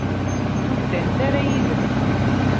Ur ddant ara yid-s.